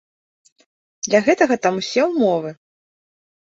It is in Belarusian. Для гэтага там усе ўмовы.